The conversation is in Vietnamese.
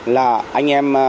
là anh em